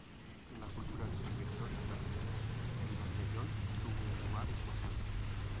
En la cultura china histórica, el bermellón tuvo un lugar importante.